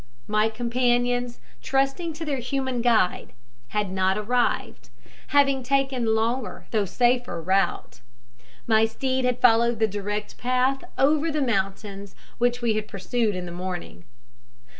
My companions, trusting to their human guide, had not arrived, having taken a longer though safer route. My steed had followed the direct path over the mountains which we had pursued in the morning.